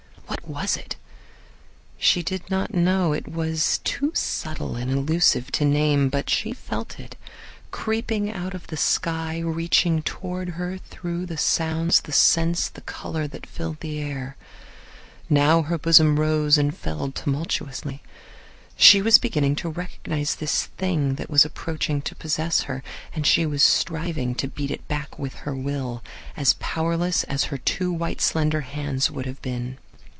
What was it? She did not know; it was too subtle and elusive to name. But she felt it, creeping out of the sky, reaching toward her through the sounds, the scents, the color that filled the air. Now her bosom rose and fell tumultuously. She was beginning to recognize this thing that was approaching to possess her, and she was striving to beat it back with her will — as powerless as her two white slender hands would have been.